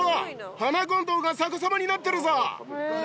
ハナゴンドウが逆さまになってるぞ。